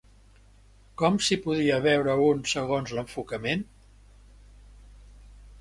Com s'hi podia veure un, segons l'enfocament?